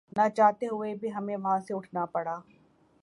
ناچاہتے ہوئے بھی ہمیں وہاں سے اٹھنا پڑا